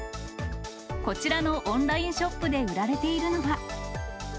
こちらのオンラインショップで売られているのは。